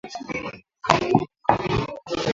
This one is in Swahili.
Kolwezi batu banalamuka busubuyi sana kwenda mukaji